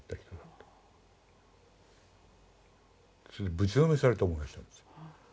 ぶちのめされた思いがしたんですよ。